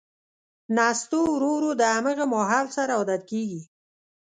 نستوه ورو ـ ورو د همغه ماحول سره عادت کېږي.